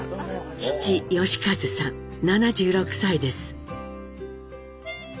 父・喜一さん７６歳です。